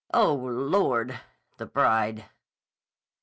Oh, Lord! The bride."